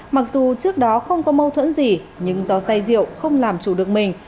mặc dù trước đó không có mâu thuẫn gì nhưng do say rượu không làm chủ được mình